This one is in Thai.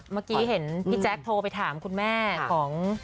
เมื่อกี้เห็นพี่แจ๊คโทรไปถามคุณแม่ของ